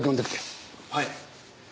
はい。